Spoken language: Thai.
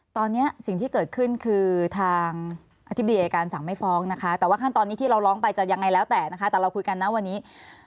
ตอนนี้สิ่งที่เกิดขึ้นคือทางอธิบดีอายการสั่งไม่ฟ้องนะคะแต่ว่าขั้นตอนนี้ที่เราร้องไปจะยังไงแล้วแต่นะคะแต่เราคุยกันนะวันนี้